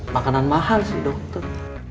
makanan mahal sih dokter